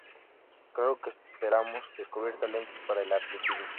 Claro que esperamos descubrir talentos para el atletismo.